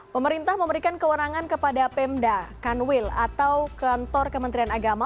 pemerintah memberikan kewenangan kepada pemda kanwil atau kantor kementerian agama